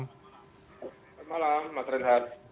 selamat malam mbak trinhat